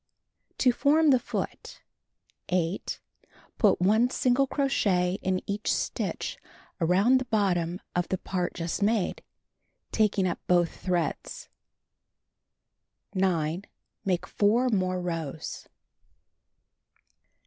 rib. To Form the Foot: 8. Put 1 single crochet in each stitch around the bottom of the part just made, taking up both threads. 9. Make 4 more rows.